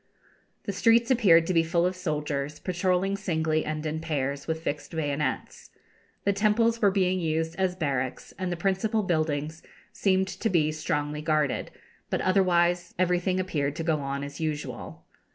The streets appeared to be full of soldiers, patrolling singly and in pairs, with fixed bayonets. The temples were being used as barracks, and the principal buildings seemed to be strongly guarded; but otherwise everything appeared to go on as usual.